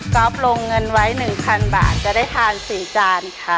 อ๊อฟลงเงินไว้๑๐๐๐บาทจะได้ทาน๔จานค่ะ